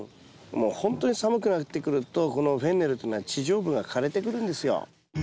もうほんとに寒くなってくるとこのフェンネルっていうのは地上部が枯れてくるんですよ。